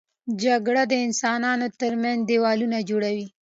جګړه د انسانانو تر منځ دیوالونه جوړوي